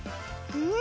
うん！